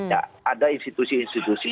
ya ada institusi institusi